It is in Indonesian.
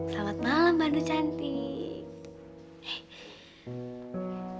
selamat malam bandu cantik